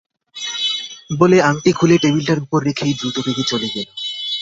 বলে আংটি খুলে টেবিলটার উপর রেখেই দ্রুতবেগে চলে গেল।